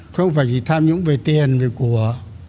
không phải chỉ tham nhũng về tiền về của